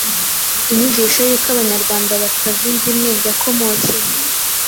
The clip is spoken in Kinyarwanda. Inyigisho y’uko Abanyarwanda batava inda imwe yakomotse he?